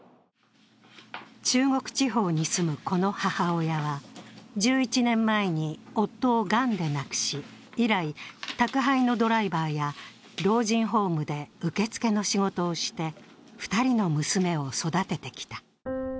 中国地方に住むこの母親は、１１年前に夫をがんで亡くし、以来、宅配のドライバーや老人ホームで受け付けの仕事をして２人の娘を育ててきた。